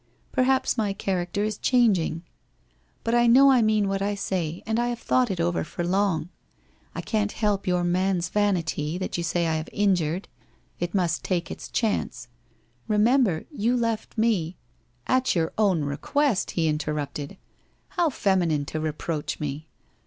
Perhaps my character is changing? But I know I mean what I say and I have thought it over for long. I can't help your man's vanity, that you say I have injured. It must take its chance. Remember you left me '' At your own request,' he interrupted. ' How feminine to reproach me